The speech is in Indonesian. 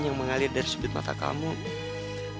yang mengalir dari sebut mata kebahagiaan